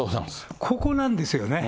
ここなんですよね。